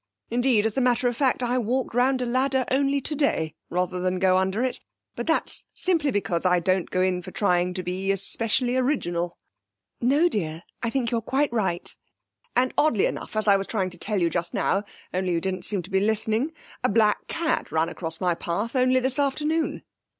Indeed as a matter of fact, I walked round a ladder only today rather than go under it. But that's simply because I don't go in for trying to be especially original.' 'No, dear. I think you're quite right.' 'And oddly enough as I was trying to tell you just now, only you didn't seem to be listening a black cat ran across my path only this afternoon.'